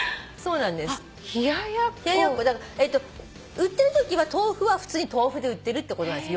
売ってるときは豆腐は普通に豆腐で売ってるってことです